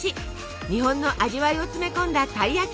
日本の味わいを詰め込んだたい焼き